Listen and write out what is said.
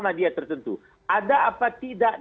media tertentu ada apa tidak